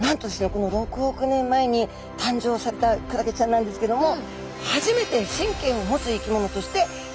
この６億年前に誕生されたクラゲちゃんなんですけども初めて神経を持つ生き物として誕生したそうなんです。